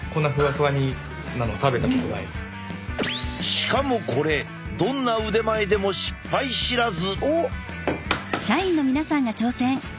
しかもこれどんな腕前でも失敗知らず。